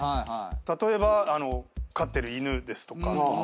例えば飼ってる犬ですとか。